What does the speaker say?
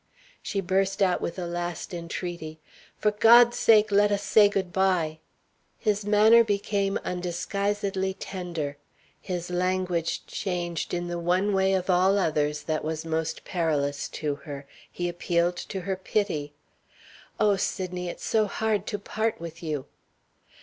She burst out with a last entreaty. "For God's sake, let us say good by!" His manner became undisguisedly tender; his language changed in the one way of all others that was most perilous to her he appealed to her pity: "Oh, Sydney, it's so hard to part with you!"